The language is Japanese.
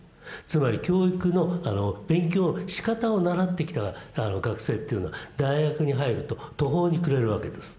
つまり教育の勉強しかたを習ってきた学生というのは大学に入ると途方に暮れるわけです。